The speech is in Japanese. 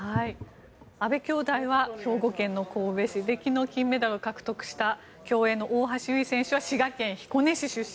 阿部兄妹は兵庫県の神戸市で昨日、金メダルを獲得した競泳の大橋悠依選手は滋賀県彦根市出身。